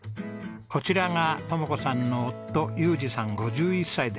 こちらが智子さんの夫裕次さん５１歳です。